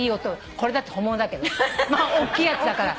これだって本物だけどまあおっきいやつだから。